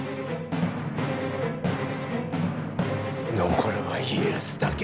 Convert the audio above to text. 残るは家康だけ。